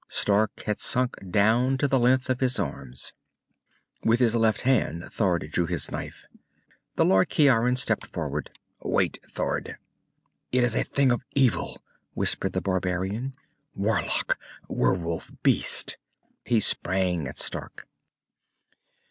Stark had sunk down to the length of his arms. With his left hand, Thord drew his knife. The Lord Ciaran stepped forward. "Wait, Thord!" "It is a thing of evil," whispered the barbarian. "Warlock. Werewolf. Beast." He sprang at Stark.